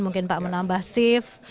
mungkin pak menambah shift